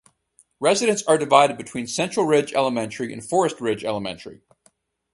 Residents are divided between Central Ridge Elementary and Forest Ridge Elementary.